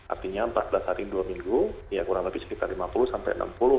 artinya empat belas hari dua minggu ya kurang lebih sekitar lima puluh sampai enam puluh